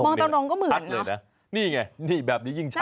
มองตรงก็เหมือนเหรอชัดเลยนะนี่ไงแบบนี้ยิ่งชัด